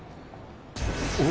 お！